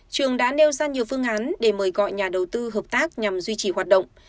trường đã nêu ra nhiều phương án để mời gọi nhà đầu tư hợp tác nhằm duy trì hoạt động